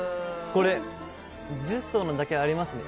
これ、１０層なだけありますね。